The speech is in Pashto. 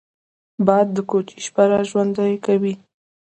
باد د کوڅې شپه را ژوندي کوي